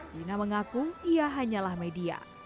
lina mengaku ia hanyalah media